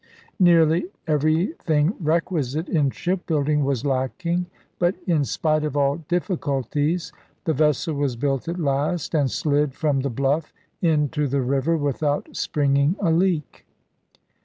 Nearly every thing requisite in shipbuilding was lacking ; but, in Gilbert spite of all difficulties, the vessel was built at last, "Battles and snd from the bluff into the river without Leaders." springing a leak.